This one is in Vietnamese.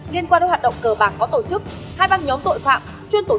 liên quan đến hoạt động cờ bạc có tổ chức hai băng nhóm tội phạm